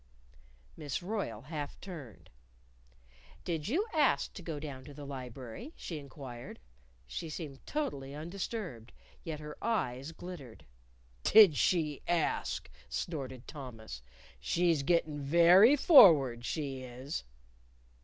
Miss Royle half turned. "Did you ask to go down to the library?" she inquired. She seemed totally undisturbed; yet her eyes glittered. "Did she ask?" snorted Thomas. "She's gettin' very forward, she is."